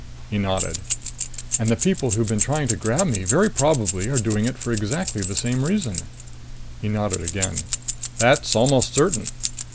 He nodded. "And the people who've been trying to grab me very probably are doing it for exactly the same reason." He nodded again. "That's almost certain."